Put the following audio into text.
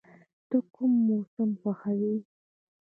ته کوم موسم خوښوې؟